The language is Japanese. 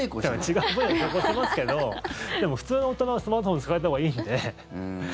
違う分野で成功してますけどでも普通の大人はスマートフォン使えたほうがいいので。